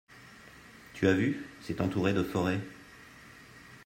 Tu as vu? C'est entouré de forêts.